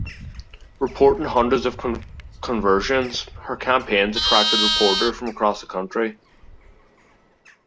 Reporting hundreds of conversions, her campaigns attracted reporters from across the country.